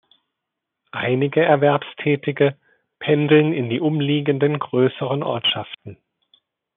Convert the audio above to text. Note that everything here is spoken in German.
Einige Erwerbstätige pendeln in die umliegenden größeren Ortschaften.